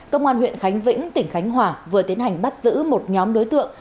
công an huyện khánh vĩnh tỉnh khánh hòa vừa tiến hành bắt giữ một nhóm đối tượng